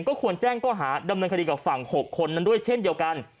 ก็ควรแจ้งก็หาดำเนินคดีกับฝั่ง๖คนนั้นด้วยเช่นเดียวกัน